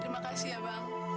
terima kasih ya bang